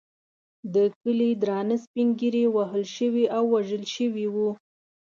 د کلي درانه سپین ږیري وهل شوي او وژل شوي وو.